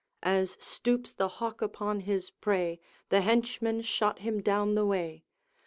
As stoops the hawk upon his prey, The henchman shot him down the way.